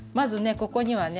ここにはね